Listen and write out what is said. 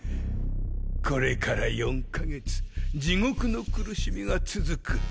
これから４か月地獄の苦しみが続く。